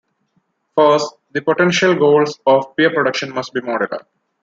First, the potential goals of peer production must be modular.